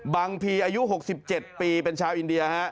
พีอายุ๖๗ปีเป็นชาวอินเดีย